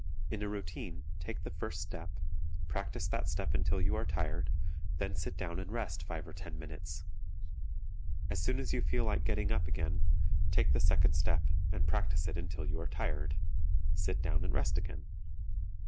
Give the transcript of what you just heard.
In a routine take the first step; practice that step until you are tired, then sit down and rest five or ten minutes. As soon as you feel like getting up again, take the second step and practice it until you are tired; sit down and rest again.